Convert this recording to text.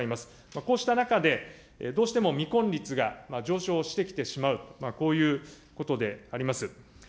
こうした中で、どうしても未婚率が上昇してきてしまう、こういうことであります。